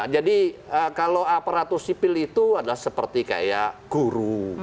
jadi kalau aparatur sipil itu adalah seperti kayak guru